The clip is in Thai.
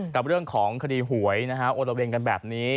กับเรื่องของคดีหวยนะฮะโอละเวงกันแบบนี้